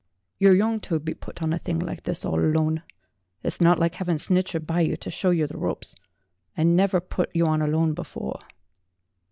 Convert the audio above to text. "You're young to be put on a thing like this all alone. It's not like having Snitcher by you to show you the ropes. I never put you on alone before."